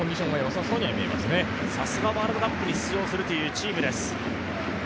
さすがワールドカップに出場するというチームです。